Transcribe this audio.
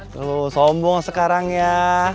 tuh sombong sekarang ya